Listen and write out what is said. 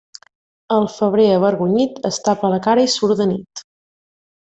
El febrer avergonyit es tapa la cara i surt de nit.